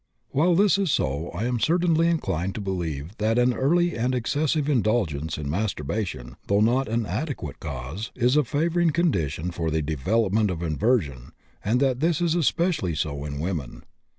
While this is so, I am certainly inclined to believe that an early and excessive indulgence in masturbation, though not an adequate cause, is a favoring condition for the development of inversion, and that this is especially so in women.